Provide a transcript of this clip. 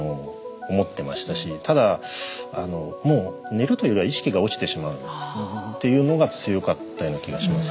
ただ寝るというよりは意識が落ちてしまうというのが強かったような気がします。